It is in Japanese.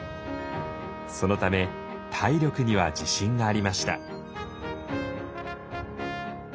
そのため体力には自信がありました。